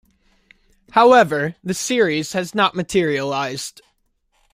However, the series has not materialized.